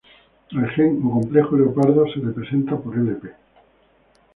El gen o complejo leopardo se representa por Lp.